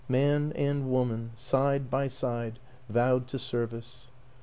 ... Man and Woman, side by side, vowed to service.